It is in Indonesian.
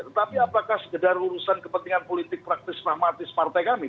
tetapi apakah sekedar urusan kepentingan politik praktis pragmatis partai kami